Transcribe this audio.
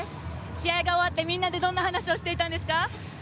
試合が終わって、みんなでどんな話をしていたんですか？